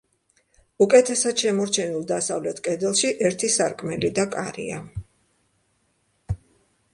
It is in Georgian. უკეთესად შემორჩენილ დასავლეთ კედელში ერთი სარკმელი და კარია.